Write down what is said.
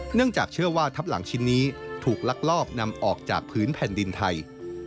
เนื่องจากเชื่อว่าทับหลังชิ้นนี้ถูกลักลอบนำออกจากพื้นแผ่นดินไทย